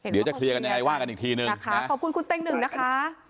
เดี๋ยวจะเคลียร์กันยังไงว่ากันอีกทีนึงนะคะขอบคุณคุณเต้งหนึ่งนะคะ